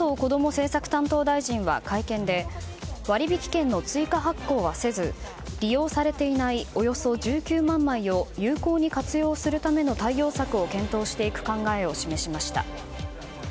政策担当大臣は会見で割引券の追加発行はせず利用されていないおよそ１９万枚を有効に活用するための対応策を検討していく考えを示しました。